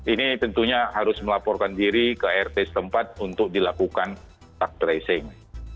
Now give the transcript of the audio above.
ini tentunya harus melaporkan diri ke rt setempat untuk dilakukan tak tracing